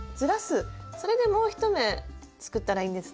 それでもう一目すくったらいいんですね。